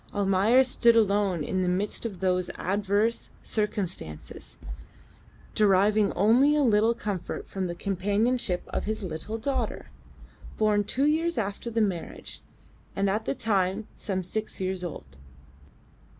Almayer stood alone in the midst of those adverse circumstances, deriving only a little comfort from the companionship of his little daughter, born two years after the marriage, and at the time some six years old.